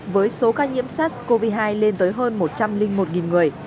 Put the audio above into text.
với số ca nhiễm sars cov hai lên tới hơn một trăm linh một người